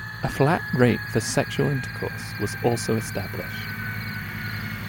A flat rate for sexual intercourse was also established.